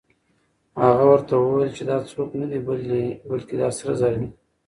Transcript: هغه ورته وویل چې دا څوک نه دی، بلکې دا سره زر دي.